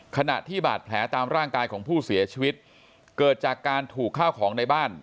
ขณะที่บาดแผลตามร่างกายของผู้เสียชีวิตเกิดจากการถูกข้าวของในบ้าน